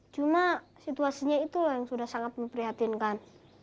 cuma situasinya itulah yang sudah sangat memprihatinkan